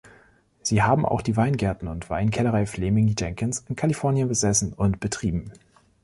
Sie haben auch die Weingärten und Weinkellerei Fleming Jenkins in Kalifornien besessen und betrieben.